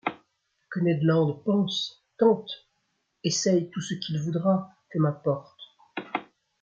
Que Ned Land pense, tente, essaye tout ce qu’il voudra, que m’importe ?